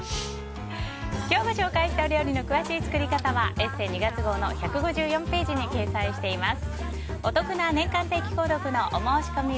今日ご紹介した料理の詳しい作り方は「ＥＳＳＥ」２月号の１５４ページに掲載しています。